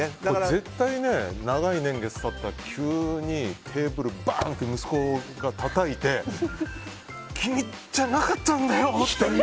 絶対に長い年月が経ったらテーブル、バンって息子がたたいて君じゃなかったんだよ！